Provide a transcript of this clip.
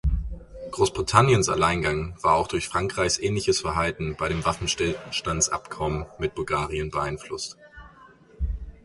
Großbritanniens Alleingang war auch durch Frankreichs ähnliches Verhalten bei dem Waffenstillstandsabkommen mit Bulgarien beeinflusst.